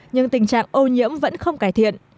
nhưng tình trạng ô nhiễm vẫn không cải thiện